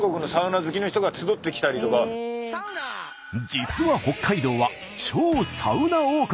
実は北海道は超サウナ王国。